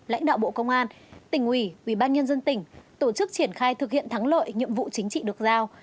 lãnh đạo bộ công an tỉnh ủy ubnd tỉnh tổ chức triển khai thực hiện thắng lội nhiệm vụ chính trị được giao